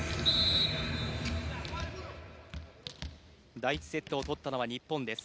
第１セットを取ったのは日本です。